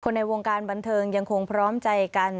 ในวงการบันเทิงยังคงพร้อมใจกัน